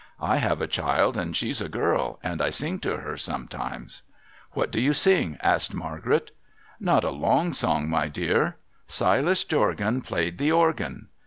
I have a child, and she's a girl, and I sing to her sometimes.' ' What do you sing ?' asked Margaret. ' Not a long song, my dear. Silas Jorgan Played the organ.